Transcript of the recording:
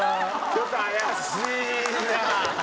ちょっと怪しいな。